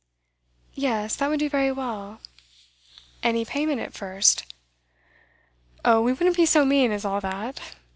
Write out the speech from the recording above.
'Yes, that would do very well. Any payment, at first?' 'Oh, we wouldn't be so mean as all that.